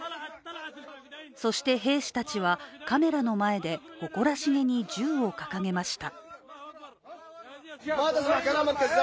そして兵士たちはカメラの前でほこらしげに銃を掲げました。